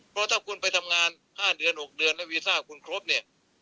เพราะถ้าคุณไปทำงาน๕เดือน๖เดือนแล้ววีซ่าคุณครบเนี่ย